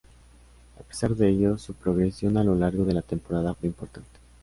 A pesar de ello, su progresión a lo largo de la temporada fue importante.